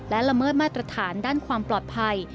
และละเมิดมาตรฐานด้านความปลอดภัย